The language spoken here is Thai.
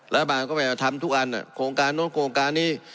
รัฐบาลก็ไม่มาทำทุกอันโครงการโน้นโครงการนี้